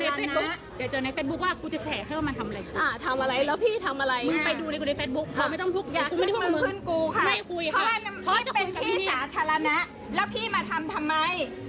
แล้วพี่มาทำทำไม